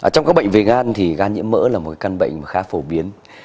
trong các bệnh về gan thì ga nhiễm mỡ là một căn bệnh khá phổ biến